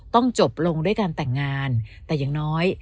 ต้องจบลงด้วยการแต่งงานแต่อย่างน้อย